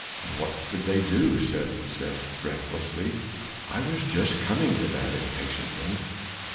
"What did they do?" said Seth breathlessly. "I was just coming to that, impatient one.